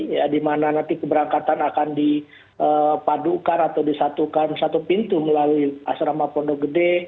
ya di mana nanti keberangkatan akan dipadukan atau disatukan satu pintu melalui asrama pondok gede